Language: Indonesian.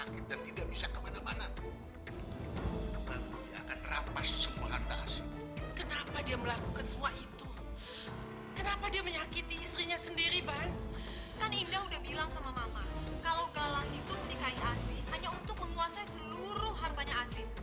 kan indah udah bilang sama mama kalau galang itu menikahi asyik hanya untuk menguasai seluruh hartanya asyik